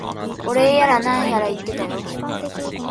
お礼やら何やら言ってたよ。